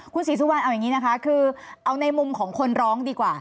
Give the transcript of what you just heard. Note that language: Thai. คุณศรีสุวรรณเอาอย่างนี้นะคะคือเอาในมุมของคนร้องดีกว่า